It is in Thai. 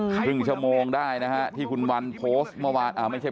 ครึ่งชั่วโมงได้นะฮะที่คุณวันโพสต์เมื่อวานอ่าไม่ใช่